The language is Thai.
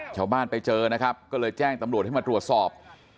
ชาวบ้านไปเจอนะครับก็เลยแจ้งตำรวจให้มาตรวจสอบ